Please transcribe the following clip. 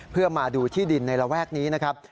เพื่อมาดูที่ดินในระแวกนี้นะครับ